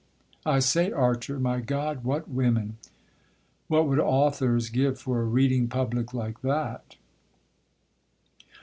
(I say, Archer, my God, what women!)" What would authors give for a reading public like that?